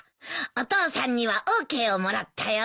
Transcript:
お父さんにはＯＫをもらったよ。